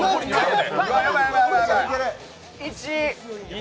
１。